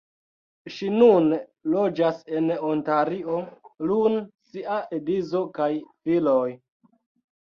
Ŝi nune loĝas en Ontario lun sia edzo kaj filoj.